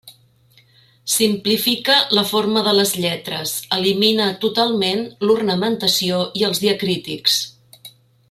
Simplifica la forma de les lletres, elimina totalment l'ornamentació i els diacrítics.